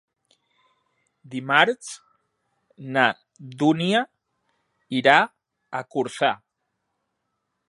Dimarts na Dúnia irà a Corçà.